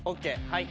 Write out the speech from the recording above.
はい。